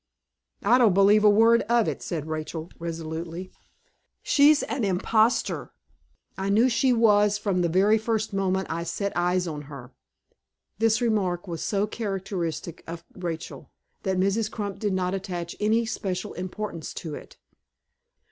"I don't believe a word of it," said Rachel, resolutely. "She's an imposter. I knew she was the very first moment I set eyes on her." This remark was so characteristic of Rachel, that Mrs. Crump did not attach any special importance to it.